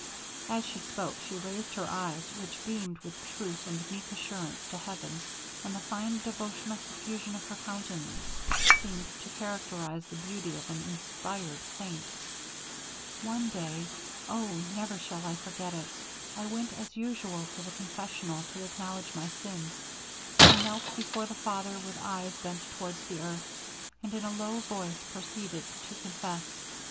As she spoke she raised her eyes, which beamed with truth and meek assurance to heaven; and the fine devotional suffusion of her countenance seemed to characterize the beauty of an inspired saint. 'One day, Oh! never shall I forget it, I went as usual to the confessional to acknowledge my sins. I knelt before the father with eyes bent towards the earth, and in a low voice proceeded to confess.